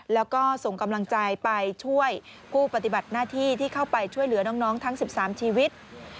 แล้วก็ส่งกำลังใจไปช่วยผู้ปฏิบัติหน้าที่ที่เข้าไปช่วยเหลือน้องทั้ง๑๓ชีวิต